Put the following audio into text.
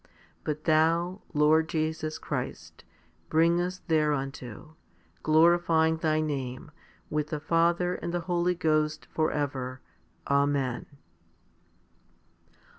But Thou, Lord Jesus Christ, bring us thereunto, glorifying Thy name, with the Father and the Holy Ghost, for ever. Amen.